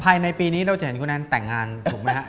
ภายในปีนี้เราจะเห็นคนนั้นแต่งงานถูกไหมฮะ